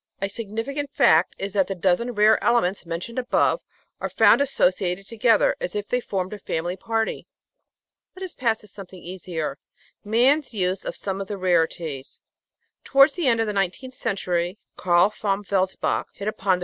A signifi cant fact is that the dozen rare elements mentioned above are found associated together as if they formed a family party. Let us pass to something easier man's use of some of the rarities. Towards the end of the nineteenth century, Carl von Welsbach hit upon the